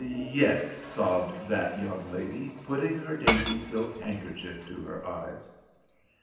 "Yes," sobbed that young lady, putting her dainty silk handkerchief to her eyes.